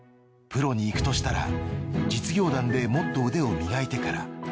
プロに行くとしたら実業団でもっと腕を磨いてから。